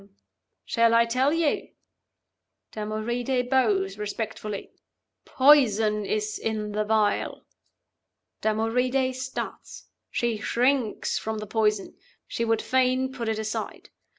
'Shall I tell you?' (Damoride bows respectfully ) 'Poison is in the vial.' (Damoride starts; she shrinks from the poison; she would fain put it aside.